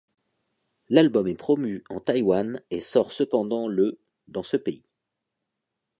L'album est promu en Taiwan et sort cependant le dans ce pays.